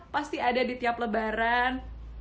pasti ada di tiap lebaran